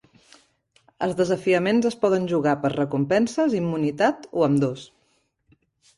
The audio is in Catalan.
Els desafiaments es poden jugar per recompenses, immunitat, o ambdós.